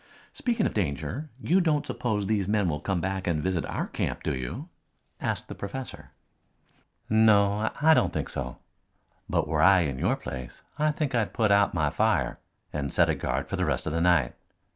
"Speaking of danger, you don't suppose these men will come back and visit our camp, do you?" asked the professor. "No, I don't think so. But were I in your place I think I'd put out my fire and set a guard for the rest of the night.